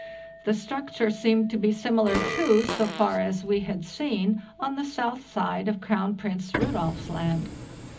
The structure seemed to be similar, too, so far as we had seen, on the south side of Crown Prince Rudolf's Land.